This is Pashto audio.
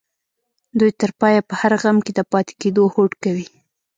دوی تر پايه په هر غم کې د پاتې کېدو هوډ کوي.